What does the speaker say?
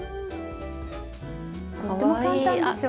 とっても簡単でしょ。